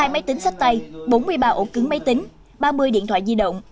hai máy tính sách tay bốn mươi ba ổ cứng máy tính ba mươi điện thoại di động